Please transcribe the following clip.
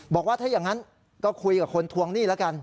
บอกว่าถ้าอย่างนั้นก็คุยกับคนทวงหนี้แล้วกัน